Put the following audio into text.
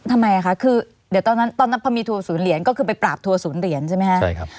ทำไมคะคือเดี๋ยวตอนนั้นตอนนั้นพอมีทัวร์ศูนย์เหรียญก็คือไปปราบทัวร์ศูนย์เหรียญใช่ไหมคะใช่ครับ